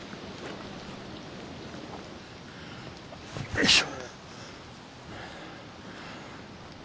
よいしょ！